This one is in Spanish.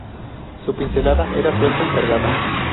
Su pincelada era suelta y cargada.